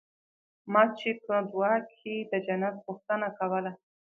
ما چې په دعا کښې د جنت غوښتنه کوله.